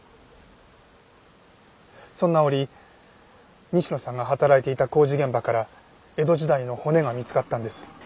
そんな折西野さんが働いていた工事現場から江戸時代の骨が見つかったんです。